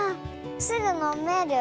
すぐのめる？